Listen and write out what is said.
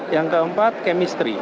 yang keempat kemisteri